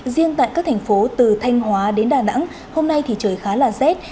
riêng tại các thành phố từ thanh hóa đến đà nẵng hôm nay thì trời khá là rét